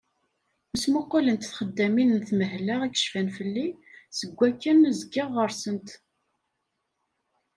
Mesmuqalent txeddamin n tenmehla i yecfan fell-i seg wakken zgiɣ ɣer-sent.